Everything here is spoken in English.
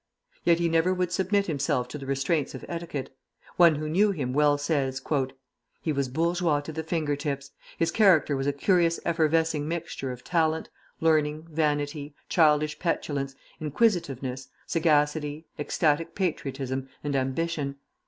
Yet he never would submit himself to the restraints of etiquette. One who knew him well says: "He was bourgeois to the finger tips. His character was a curious effervescing mixture of talent, learning, vanity, childish petulance, inquisitiveness, sagacity, ecstatic patriotism, and ambition.